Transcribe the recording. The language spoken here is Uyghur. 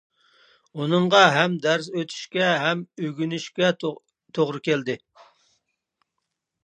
ئۇنىڭغا ھەم دەرس ئۆتۈشكە، ھەم ئۆگىنىشكە توغرا كەلدى.